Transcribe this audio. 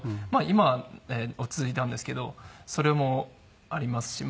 今は落ち着いたんですけどそれもありますしま